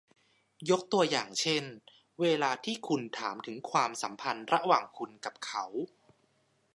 ยกตัวอย่างเช่น เวลาที่คุณถามถึงความสัมพันธ์ระหว่างคุณกับเขา